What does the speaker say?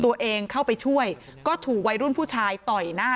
ตัวเองเข้าไปช่วยก็ถูกวัยรุ่นผู้ชายต่อยหน้า